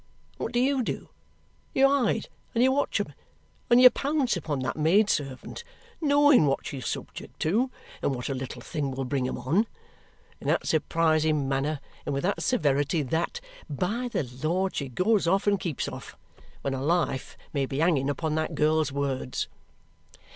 What do you do? You hide and you watch 'em, and you pounce upon that maid servant knowing what she's subject to and what a little thing will bring 'em on in that surprising manner and with that severity that, by the Lord, she goes off and keeps off, when a life may be hanging upon that girl's words!"